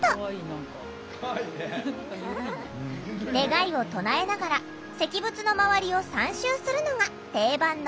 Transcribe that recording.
願いを唱えながら石仏の周りを３周するのが定番のお参り。